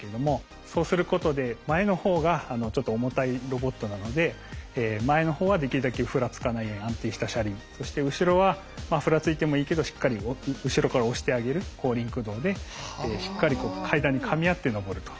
そうすることで前の方がちょっと重たいロボットなので前の方はできるだけふらつかないように安定した車輪そして後ろはふらついてもいいけどしっかり後ろから押してあげる後輪駆動でしっかり階段にかみ合って上ると。